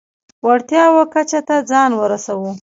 وړتیاوو کچه ته ځان ورسوو.